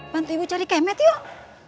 bantu ibu cari kemet yuk